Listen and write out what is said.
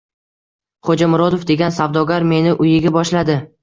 Xo‘ja Murodov degan savdogar meni uyiga boshladi.